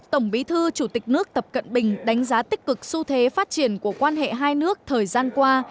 tổng bí thư chủ tịch nước tập cận bình đánh giá tích cực xu thế phát triển của quan hệ hai nước thời gian qua